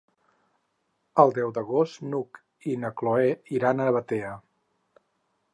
El deu d'agost n'Hug i na Cloè iran a Batea.